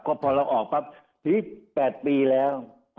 ก็พอเราออกปรับพี่๘ปีแล้ว